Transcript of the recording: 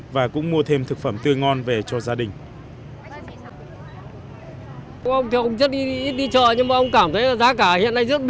và cũng mua thêm thực phẩm tươi ngon về cho gia đình